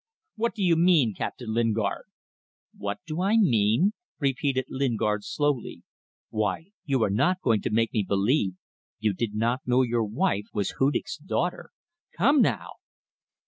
"What do you mean, Captain Lingard?" "What do I mean?" repeated Lingard, slowly. "Why, you are not going to make me believe you did not know your wife was Hudig's daughter. Come now!"